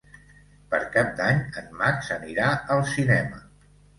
Per Cap d'Any en Max anirà al cinema.